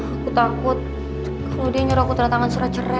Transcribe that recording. aku takut kalau dia nyuruh aku terletakkan secara cerai